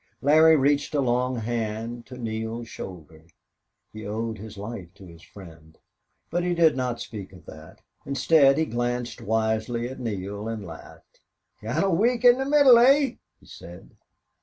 Larry reached a long hand to Neale's shoulder. He owed his life to his friend. But he did not speak of that. Instead he glanced wisely at Neale and laughed. "Kinda weak in the middle, eh?" he said.